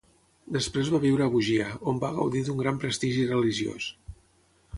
Després va viure a Bugia, on va gaudir d'un gran prestigi religiós.